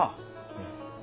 うん。